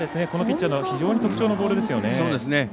このピッチャー特徴のボールですよね。